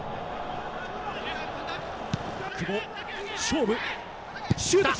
久保、勝負。